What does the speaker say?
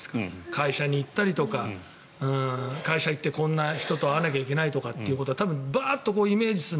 会社に行ったりとか会社行ってこんな人と会わなきゃいけないとかバーッとイメージする。